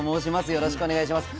よろしくお願いします。